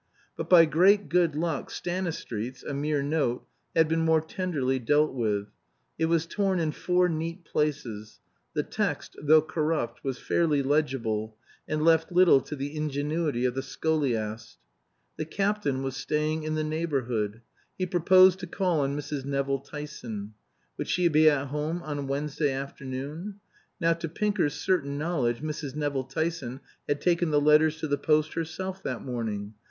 But by great good luck Stanistreet's (a mere note) had been more tenderly dealt with. It was torn in four neat pieces; the text, though corrupt, was fairly legible, and left little to the ingenuity of the scholiast. The Captain was staying in the neighborhood. He proposed to call on Mrs. Nevill Tyson. Would she be at home on Wednesday afternoon? Now, to Pinker's certain knowledge, Mrs. Nevill Tyson had taken the letters to the post herself that morning.